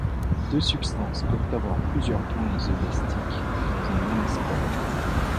Deux substances peuvent avoir plusieurs points isobestiques dans un même spectre.